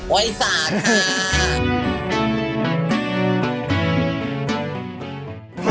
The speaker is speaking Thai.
วัยสาธิค่ะ